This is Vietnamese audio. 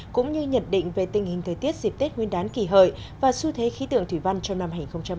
cũng như nhận định về tình hình thời tiết dịp tết nguyên đán kỳ hợi và xu thế khí tượng thủy văn trong năm hai nghìn một mươi chín